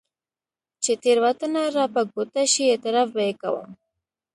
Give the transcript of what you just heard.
چې تېروتنه راپه ګوته شي، اعتراف به يې کوم.